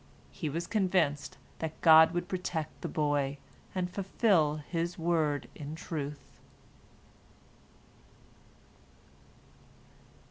He was convinced that God would protect the boy, and fulfil His word in truth.